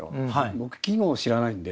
僕季語を知らないんで。